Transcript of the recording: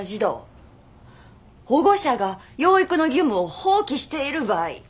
保護者が養育の義務を放棄している場合。